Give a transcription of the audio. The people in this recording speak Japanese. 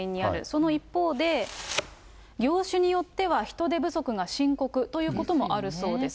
その一方で、業種によっては人手不足が深刻ということもあるそうです。